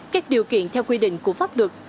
các điều kiện theo quy định của pháp luật